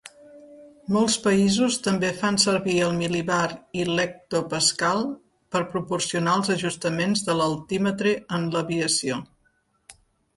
Molts països també fan servir el mil·libar i l'hectopascal per proporcionar els ajustaments de l'altímetre en l'aviació.